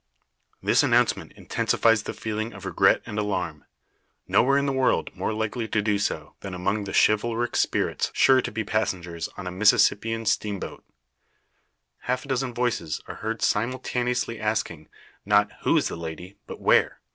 This announcement intensifies the feeling of regret and alarm. Nowhere in the world more likely to do so, than among the chivalric spirits sure to be passengers on a Mississippian steamboat. Half a dozen voices are heard simultaneously asking, not "who is the lady?" but "where?"